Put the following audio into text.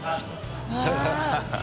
ハハハ